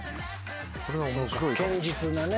堅実なね。